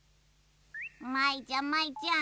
舞ちゃん舞ちゃん